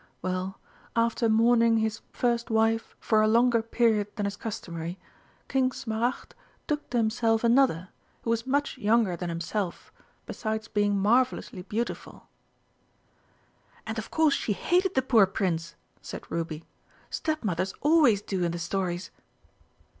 Well, after mourning his first wife for a longer period than is customary, King Smaragd took to himself another, who was much younger than himself, besides being marvellously beautiful." "And of course she hated the poor Prince," said Ruby. "Stepmothers always do in the stories."